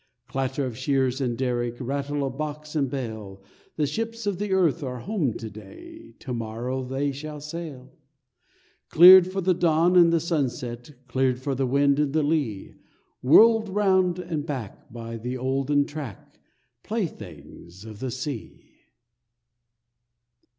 _Clatter of shears and derrick, Rattle of box and bale, The ships of the earth are home today, Tomorrow they shall sail; Cleared for the dawn and the sunset, Cleared for the wind and the lea; World round and back, by the olden track— Playthings of the sea.